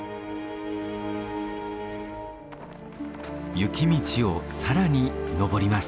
雪道を更に登ります。